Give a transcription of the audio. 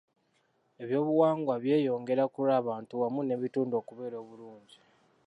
Ebyobuwangwa byeyongera ku lw'abantu wamu n'ebitundu okubeera obulungi.